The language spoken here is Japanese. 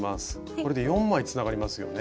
これで４枚つながりますよね。